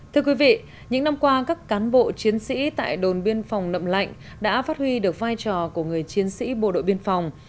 thưa quý vị những năm qua các cán bộ chiến sĩ tại đồn biên phòng nậm lạnh đã phát huy được vai trò của người chiến sĩ bộ đội biên phòng